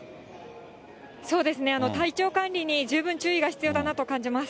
そうですね、体調管理に十分注意が必要だなと感じます。